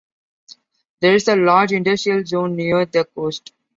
There is a large industrial zone near the coast.